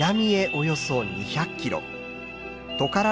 およそ２００キロトカラ